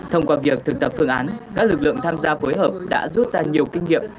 thông qua việc thực tập phương án các lực lượng tham gia phối hợp đã rút ra nhiều kinh nghiệm